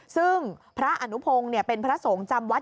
ซึ่งพระอนุพงศ์เป็นพระสงฆ์จำวัด